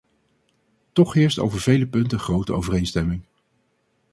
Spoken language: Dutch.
Toch heerst over vele punten grote overeenstemming.